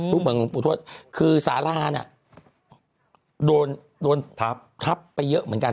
รูปปั้นของรุงปู่ทวชคือศาลาน่ะโดนทับไปเยอะเหมือนกัน